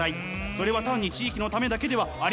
それは単に地域のためだけではありません。